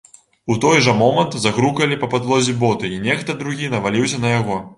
У той жа момант загрукалі па падлозе боты і нехта другі наваліўся на яго.